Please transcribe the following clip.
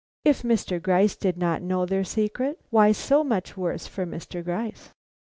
If Mr. Gryce did not know their secret, why so much the worse for Mr. Gryce.